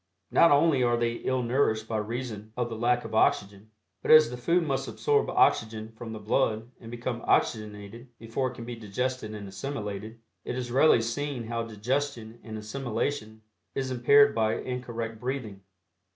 Not only are they ill nourished by reason of the lack of oxygen, but as the food must absorb oxygen from the blood and become oxygenated before it can be digested and assimilated, it is readily seen how digestion and assimilation is impaired by incorrect breathing.